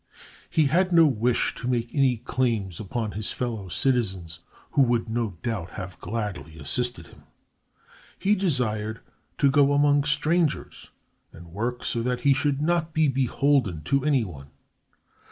He had no wish to make any claims upon his fellow citizens, who would no doubt have gladly assisted him. He desired to go among strangers and work so that he should not be beholden to anyone.